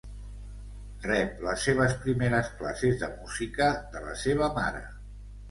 Rep les seves primeres classes de música de la seva mare.